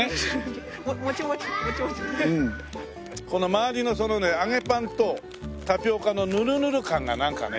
この周りのそのね揚げパンとタピオカのぬるぬる感がなんかね